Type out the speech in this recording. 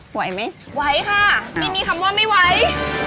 ไหวไหมไหวค่ะไม่มีคำว่าไม่ไหว